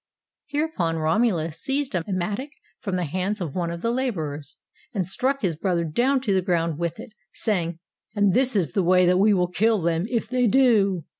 Hereupon Romulus seized a mattock from the hands of one of the laborers, and struck his brother down to the ground with it, say ing, "And this is the way that we will kill them if they do."